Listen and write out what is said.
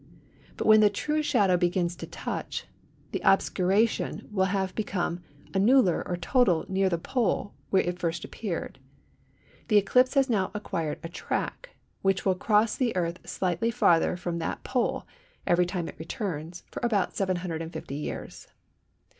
But when the true shadow begins to touch, the obscuration will have become annular or total near the pole where it first appeared. The eclipse has now acquired a track, which will cross the Earth slightly farther from that pole every time it returns, for about 750 years.